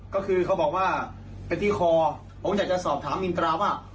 ก็คือเขาบอกว่าไปที่คอผมอยากจะสอบถามอินตราว่า